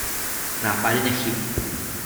Nápady nechybí.